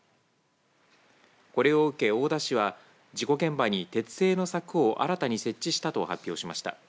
これを受け、大田市は事故現場に鉄製の柵を新たに設置したと発表しました。